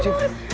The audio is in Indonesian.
eh kenapa ri